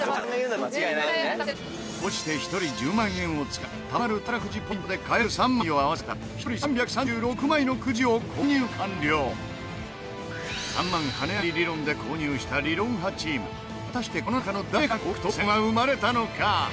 こうして、１人１０万円を使いたまる宝くじポイントで買える３枚を合わせた１人３３６枚のくじを購入完了３万跳ね上がり理論で購入した理論派チーム果たして、この中の誰から高額当せんは生まれたのか？